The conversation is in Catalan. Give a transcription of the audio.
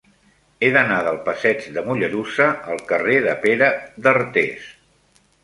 He d'anar del passeig de Mollerussa al carrer de Pere d'Artés.